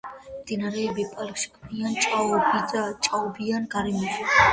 მდინარეები პარკში ქმნიან ჭაობიან გარემოს.